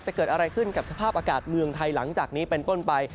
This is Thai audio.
จะเกิดอะไรขึ้นกับสภาพอากาศเมืองไทยหลังจากนี้เป็นต้นไป